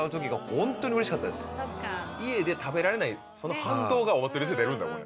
家で食べられないその反動がお祭りって出るんだもんね。